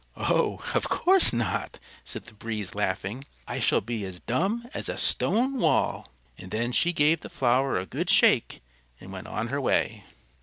"Oh! of course not," said the Breeze, laughing. "I shall be as dumb as a stone wall." And then she gave the flower a good shake and went on her way.